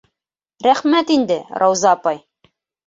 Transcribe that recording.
Рәхмәт инде, Рауза апай!